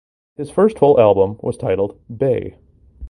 His first full album was titled "Bae".